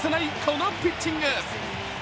このピッチング。